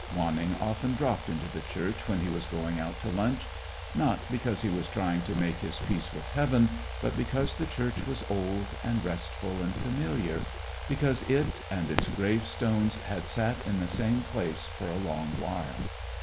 Wanning often dropped into the church when he was going out to lunch; not because he was trying to make his peace with Heaven, but because the church was old and restful and familiar, because it and its gravestones had sat in the same place for a long while.